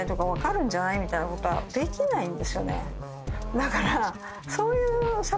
だから。